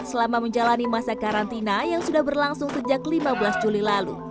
selama menjalani masa karantina yang sudah berlangsung sejak lima belas juli lalu